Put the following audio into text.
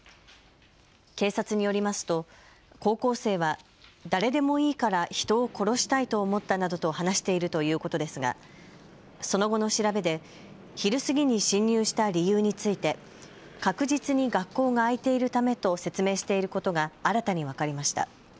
警察によりますと高校生は誰でもいいから人を殺したいと思ったなどと話しているということですが、その後の調べで昼過ぎに侵入した理由について確実に学校が開いているためと説明していることが新たに分かりました。